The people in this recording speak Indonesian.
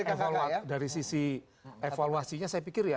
kalau dari sisi evaluasinya saya pikir ya